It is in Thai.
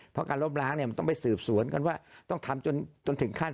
เพราะการล้มล้างเนี่ยมันต้องไปสืบสวนกันว่าต้องทำจนถึงขั้น